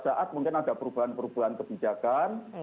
saat mungkin ada perubahan perubahan kebijakan